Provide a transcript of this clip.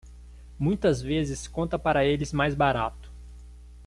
Muitas vezes, conta para eles mais barato